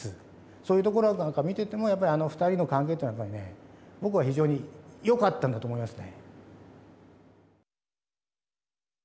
そういうところなんか見ててもあの２人の関係っていうのはやっぱりねぼくは非常によかったんだと思いますね。